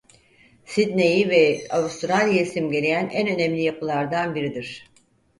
Sidney'i ve Avustralya'yı simgeleyen en önemli yapılardan biridir.